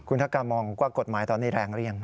คุณทักการมองว่ากฎหมายตอนนี้แรงหรือยัง